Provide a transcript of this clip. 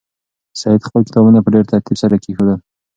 سعید خپل کتابونه په ډېر ترتیب سره کېښودل.